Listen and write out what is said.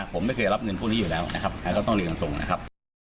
ผมไม่เคยรับเงินพวกนี้อยู่แล้วนะครับก็ต้องเรียนตรงนะครับ